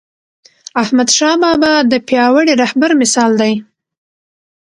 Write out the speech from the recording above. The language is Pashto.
احمدشاه بابا د پیاوړي رهبر مثال دی..